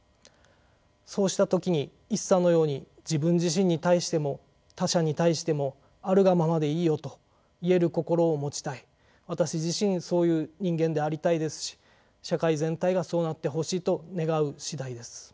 そうした時に一茶のように自分自身に対しても他者に対してもあるがままでいいよと言える心を持ちたい私自身そういう人間でありたいですし社会全体がそうなってほしいと願う次第です。